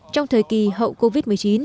trong thời kỳ hậu covid một mươi chín